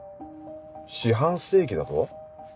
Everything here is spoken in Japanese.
四半世紀だぞ？